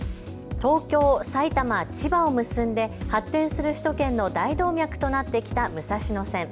東京、埼玉、千葉を結んで発展する首都圏の大動脈となってきた武蔵野線。